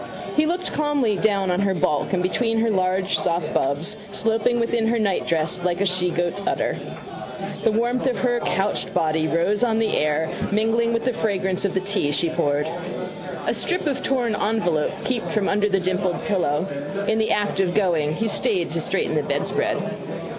He looked calmly down on her bulk and between her large soft bubs, sloping within her nightdress like a shegoat's udder. The warmth of her couched body rose on the air, mingling with the fragrance of the tea she poured. A strip of torn envelope peeped from under the dimpled pillow. In the act of going he stayed to straighten the bedspread.